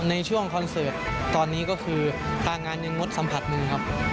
ในช่วงคอนเสิร์ตตอนนี้ก็คือทางงานยังงดสัมผัสมือครับ